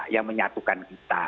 yang menyatukan kita